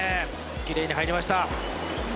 きれいに入りました。